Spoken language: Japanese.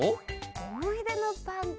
おもいでのパンか。